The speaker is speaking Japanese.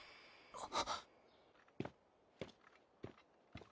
あっ。